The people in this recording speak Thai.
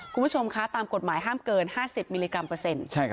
คุณผู้ชมคะตามกฎหมายห้ามเกิน๕๐มิลลิกรัมเปอร์เซ็นต์